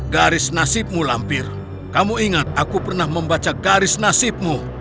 garis nasibmu lampir kamu ingat aku pernah membaca garis nasibmu